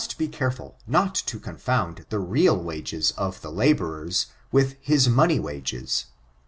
33,) not to confound the real wages of the laborer, with his money wages.